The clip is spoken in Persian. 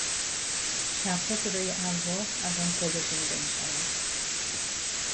شبها صدای ارواح از آن کلبه شنیده میشود.